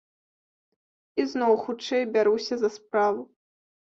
І зноў хутчэй бяруся за справу.